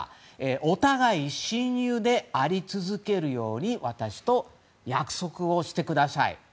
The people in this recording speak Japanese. お互い親友であり続けるように私と約束をしてください。